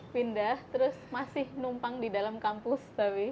pindah terus masih numpang di dalam kampus